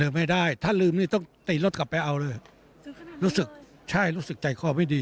ไม่ได้ถ้าลืมนี่ต้องตีรถกลับไปเอาเลยรู้สึกใช่รู้สึกใจคอไม่ดี